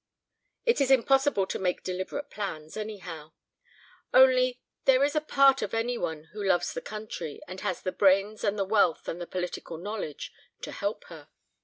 It is impossible to make deliberate plans, anyhow. Only, there is a part for any one who loves the country and has the brains and the wealth and the political knowledge to help her."